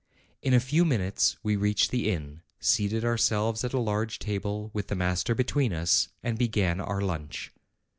In a few minutes we reached the inn, seated ourselves at a large table, with the master between us, and began our lunch.